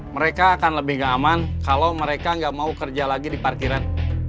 mereka akan lebih nggak aman kalau mereka nggak mau kerja lagi di parkiran